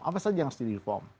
apa saja yang harus di reform